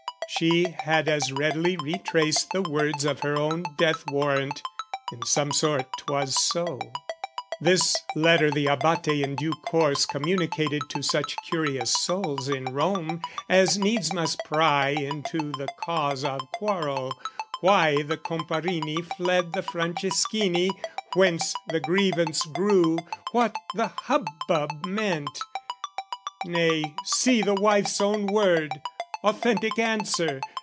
She had as readily re traced the words Of her own death warrant, in some sort 'twas so. This letter the Abate in due course Communicated to such curious souls In Rome as needs must pry into the cause Of quarrel, why the Comparini fled The Franceschini, whence the grievance grew, What the hubbub meant: "Nay, see the wife's own word, "Authentic answer!